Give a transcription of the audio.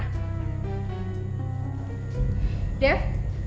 kamu duduk kesana